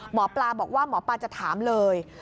หมอปลาบอกว่าหมอปลาจะถามเลย